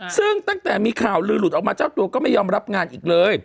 ซึ่งตั้งแต่มีข่าวลือหลุดออกมาเจ้าตัวก็ไม่ยอมรับงานอีกเลย